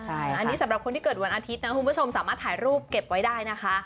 อันนี้สำหรับคนที่เกิดวันอาทิตย์นะคุณผู้ชมสามารถถ่ายรูปเก็บไว้ได้นะคะ